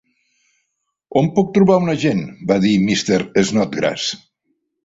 On puc trobar un agent?, va dir Mr. Snodgrass.